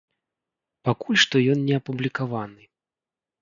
Пакуль што ён не апублікаваны.